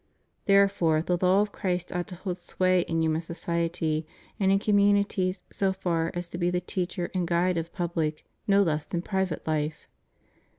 ^ Therefore, the law of Christ ought to hold sway in human society, and in communities so far as to be the teacher and guide of pubUc no less than private life.